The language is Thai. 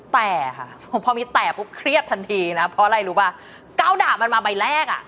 แต่พอมีแต่เข้าใจก็เครียดทันทีนะเพราะไงกระวดามันมาใบแรก